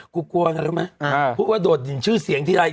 กูกลัวนะรู้มั้ยอ่าพูดว่าโดดให้ชื่อเสียงที่ใด